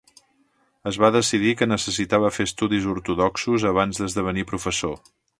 Es va decidir que necessitava fer estudis ortodoxos abans d'esdevenir professor.